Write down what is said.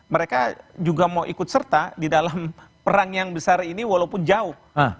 mereka juga mau ikut serta di dalam perang yang besar ini walaupun jauh